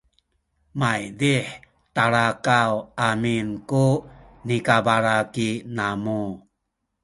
maydih talakaw amin ku nikabalaki namu